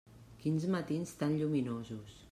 Quins matins tan lluminosos.